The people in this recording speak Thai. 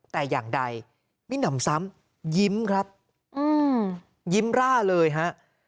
แต่อย่างใดไม่หนำซ้ำยิ้มครับยิ้มร่าเลยฮะ